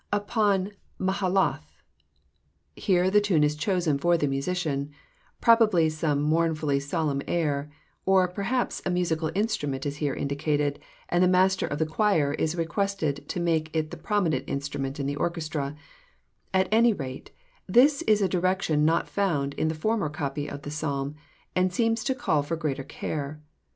Upon Mahalath. Here the tune is chosen far the musician, probably soine maumfutiy solemn air ; or perhaps a musical in strument is here indicated, and the master of the choir is requ£sted to make it the prominent instrument in the orchestra ; ai any rate, this is a direction not found in the former copy of the Psalm, and seems to caEi for greater care.